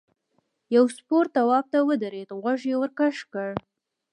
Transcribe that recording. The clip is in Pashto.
یو سپور تواب ته ودرېد غوږ یې ورکش کړ.